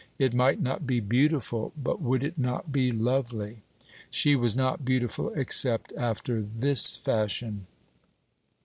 It might not be beautiful, but would it not be lovely?" She was not beautiful except after this fashion.